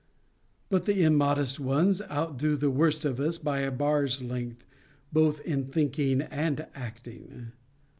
But the immodest ones out do the worst of us by a bar's length, both in thinking and acting.